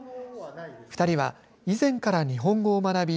２人は以前から日本語を学び